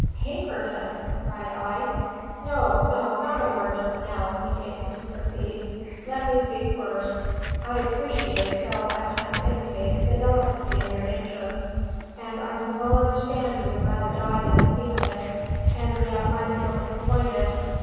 "Pinkerton!" cried I. "No, no, not a word just now," he hastened to proceed. "Let me speak first. I appreciate, though I can't imitate, the delicacy of your nature; and I can well understand you would rather die than speak of it, and yet might feel disappointed.